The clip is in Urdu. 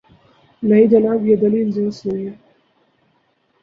نہیں جناب، یہ دلیل درست نہیں ہے۔